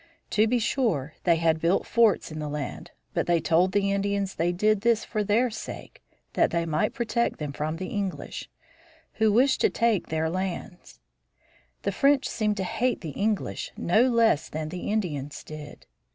To be sure, they had built forts in the land, but they told the Indians they did this for their sake that they might protect them from the English, who wished to take their lands. The French seemed to hate the English no less than the Indians did.